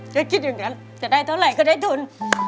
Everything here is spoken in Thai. คิดอย่างนั้นจะได้เท่าไหร่ก็ได้ทุน